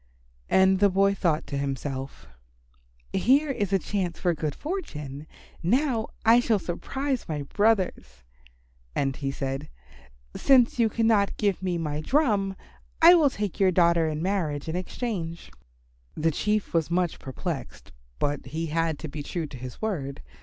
And the boy thought to himself, "Here is a chance for good fortune. Now I shall surprise my brothers." And he said, "Since you cannot give me my drum, I will take your daughter in marriage in exchange." The Chief was much perplexed, but he had to be true to his word.